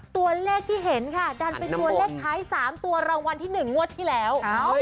ตัวเลขที่เห็นค่ะดันเป็นตัวเลขท้าย๓ตัวรางวัลที่๑งวดที่แล้ว